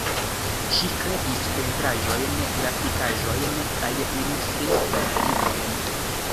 Ŝi kreis pentraĵojn, grafikaĵojn kaj ilustris librojn.